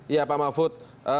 ya pak mahfud